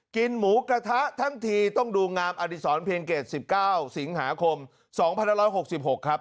กินหมูกระทะทั้งทีต้องดูงามอดีศรเพียงเกต๑๙สิงหาคม๒๑๖๖ครับ